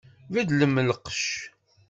Beddlem lqecc!